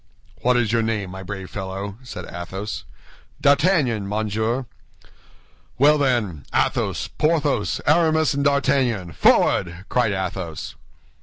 "What is your name, my brave fellow?" said Athos. "D'Artagnan, monsieur." "Well, then, Athos, Porthos, Aramis, and D'Artagnan, forward!" cried Athos.